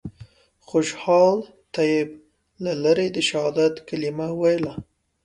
خوشحال طیب له لرې د شهادت کلمه ویله.